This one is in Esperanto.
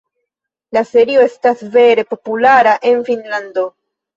La serio estas vere populara en Finnlando.